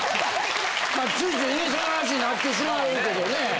ついついねその話になってしまうけどね。